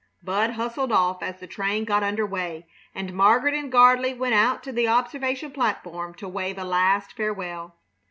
Bud hustled off as the train got under way, and Margaret and Gardley went out to the observation platform to wave a last farewell.